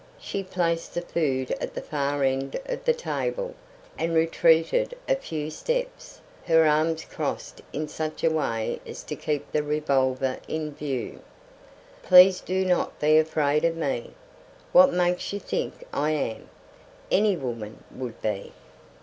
She placed the food at the far end of the table and retreated a few steps, her arms crossed in such a way as to keep the revolver in view. "Please do not be afraid of me. "What makes you think I am?" "Any woman would be."